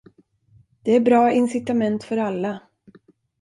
Det är bra incitament för alla!